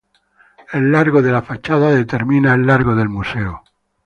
El largo de la fachada determina el largo del museo.